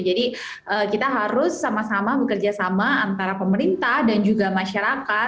jadi kita harus sama sama bekerja sama antara pemerintah dan juga masyarakat